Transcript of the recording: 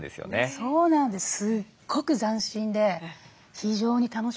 そうなんです。